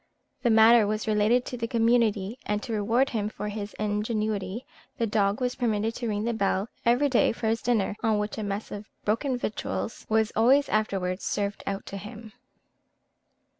The matter was related to the community; and to reward him for his ingenuity, the dog was permitted to ring the bell every day for his dinner, on which a mess of broken victuals was always afterwards served out to him.